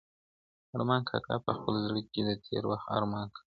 ارمان کاکا په خپل زړه کې د تېر وخت ارمان کاوه.